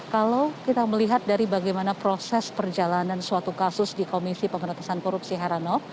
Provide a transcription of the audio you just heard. kalau kita melihat dari bagaimana proses perjalanan suatu kasus di komisi pemerintahan korupsi herano